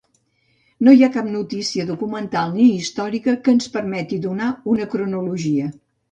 No hi ha cap notícia documental ni històrica que ens permeti donar una cronologia.